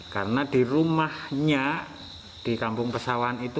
karena di rumahnya di kampung pesawan itu